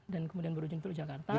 dan kemudian berujung teluk jakarta